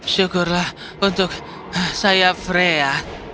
syukurlah untuk sayap freya